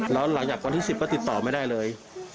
แล้วหลังจากวันที่๑๐ก็ติดต่อไม่ได้เลย